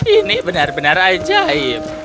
ini benar benar ajaib